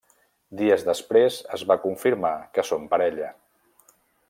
Dies després es va confirmar que són parella.